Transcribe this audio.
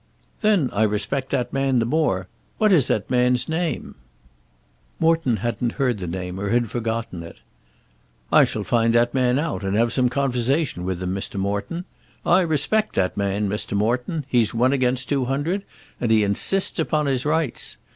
"Then I respect that man the more. What is that man's name?" Morton hadn't heard the name, or had forgotten it. "I shall find that man out, and have some conversation with him, Mr. Morton. I respect that man, Mr. Morton. He's one against two hundred, and he insists upon his rights.